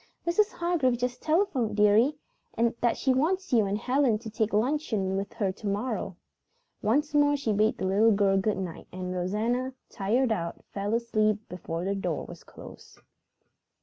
"Mrs. Hargrave just telephoned, dearie, that she wants you and Helen to take luncheon with her to morrow." Once more she bade the little girl good night, and Rosanna, tired out, fell asleep before the door was closed.